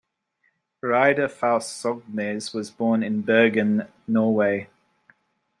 Reidar Fauske Sognnaes was born in Bergen, Norway.